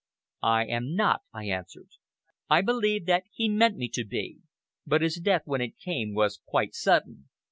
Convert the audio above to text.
"I am not," I answered. "I believe that he meant me to be; but his death, when it came, was quite sudden.